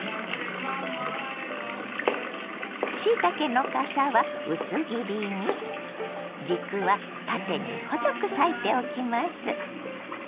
しいたけのかさは薄切りに軸は縦に細く裂いておきます。